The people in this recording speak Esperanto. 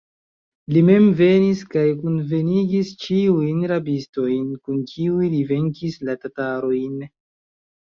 Li mem venis kaj kunvenigis ĉiujn rabistojn, kun kiuj li venkis la tatarojn.